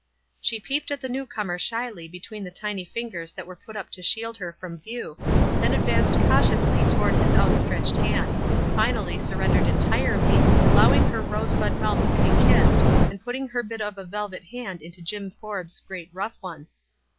She peeped at the new comer shyly between the tiny fingers that were put up to shield her from view, then advanced cautiously toward his out stretched hand ; finally surrendered entirely, al lowing her rose bud mouth to be kissed, and putting her bit of a velvet hand into Jim Forbes' great rough one.